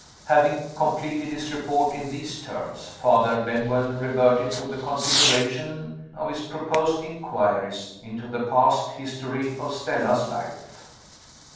Having completed his report in these terms, Father Benwell reverted to the consideration of his proposed inquiries into the past history of Stella's life.